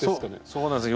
そうなんです。